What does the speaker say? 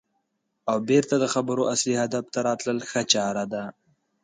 او بېرته د خبرو اصلي هدف ته راتلل ښه چاره ده.